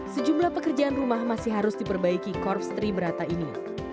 sejumlah pekerjaan rumah masih harus diperbaiki korps triberata ini